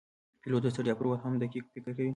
پیلوټ د ستړیا پر وخت هم دقیق فکر کوي.